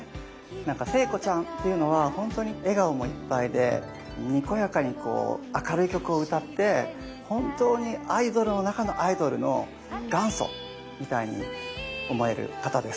なんか聖子ちゃんっていうのは本当に笑顔もいっぱいでにこやかにこう明るい曲を歌って本当にアイドルの中のアイドルの元祖みたいに思える方です。